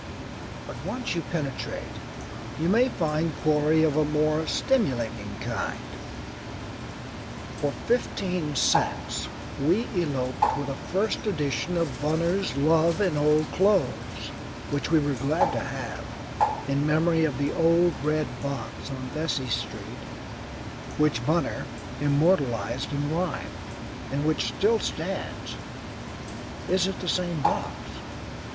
But once you penetrate, you may find quarry of a more stimulating kind. For fifteen cents we eloped with a first edition of Bunner's "Love in Old Cloathes," which we were glad to have in memory of the "old red box on Vesey Street" which Banner immortalized in rhyme, and which still stands (is it the same box?)